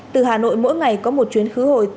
từ hà nội mỗi ngày có một chuyến khứ hồi